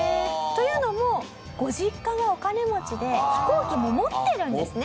というのもご実家がお金持ちで飛行機も持ってるんですね。